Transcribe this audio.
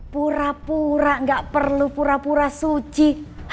pura pura gak perlu pura pura suci